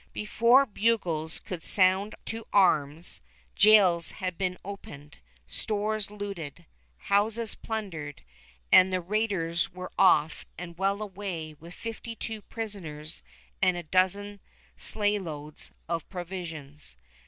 Before bugles could sound to arms, jails had been opened, stores looted, houses plundered, and the raiders were off and well away with fifty two prisoners and a dozen sleigh loads of provisions.